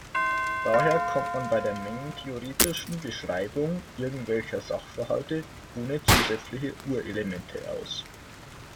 Daher kommt man bei der mengentheoretischen Beschreibung irgendwelcher Sachverhalte ohne zusätzliche Urelemente aus.